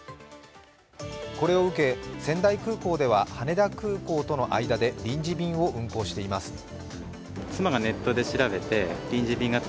これを受け、仙台空港では羽田空港との間で臨時便を運航しています。